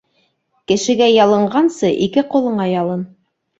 Кешегә ялынғансы ике ҡулыңа ялын.